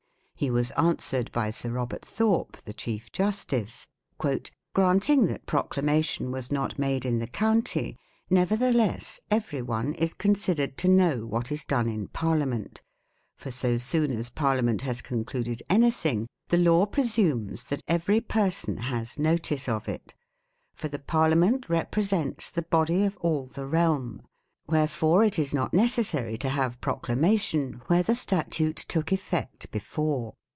He was answered by Sir Robert Thorpe, the Chief Justice :" Granting that proclamation was not made in the county, nevertheless every one is considered to know what is done in Parliament : for so soon as Parliament has concluded anything, the law presumes that every person has notice of it ; for the Parliament represents the body of all the Realm ; wherefore it is not necessary to have proclamation where the statute took effect before